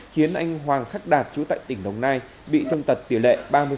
khiến anh hoàng khắc đạt chú tại tỉnh đồng nai bị thương tật tỷ lệ ba mươi